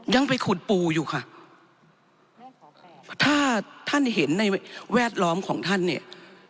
ยังไปขุดปูอยู่ค่ะถ้าท่านเห็นในแวดล้อมของท่านเนี่ย